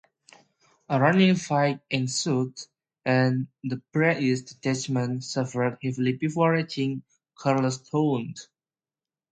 A running fight ensued, and the British detachment suffered heavily before reaching Charlestown.